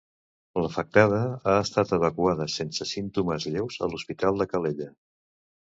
L'afectada ha estat evacuada sense símptomes lleus a l'Hospital de Calella.